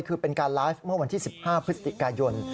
คือเป็นการไลฟ์เมื่อวันที่๑๕พฤศจิกายน